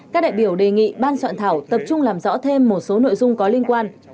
các đại biểu đề nghị ban soạn thảo tập trung làm rõ thêm một số nội dung có liên quan